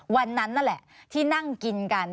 วันนั้นนั่นแหละที่นั่งกินกัน